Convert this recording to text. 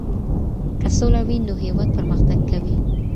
که سوله وي، نو هيواد پرمختګ کوي.